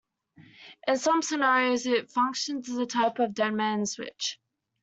In some scenarios it functions as a type of dead man's switch.